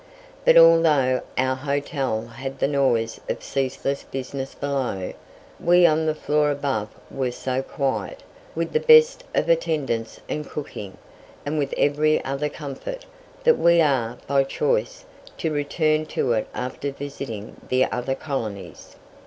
But although our hotel had the noise of ceaseless business below, we on the floor above were so quiet, with the best of attendance and cooking, and with every other comfort, that we are, by choice, to return to it after visiting the other colonies.